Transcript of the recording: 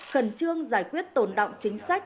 khẩn trương giải quyết tồn đọng chính sách